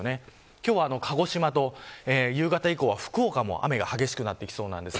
今日は鹿児島と夕方以降は福岡も雨が激しくなってきそうです。